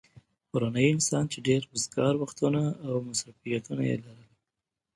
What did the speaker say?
پرونی انسان چې ډېر وزگار وختونه او مصروفيتونه يې لرل